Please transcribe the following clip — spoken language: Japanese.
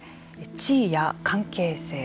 地位や関係性。